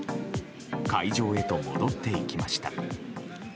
会場へと戻っていきました。